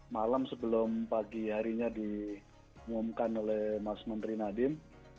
malam sebelum pagi harinya diumumkan oleh mas menteri nadiem